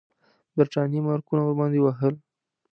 برټانیې مارکونه ورباندې وهل.